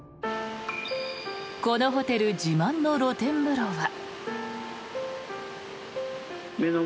このホテル自慢の露天風呂は。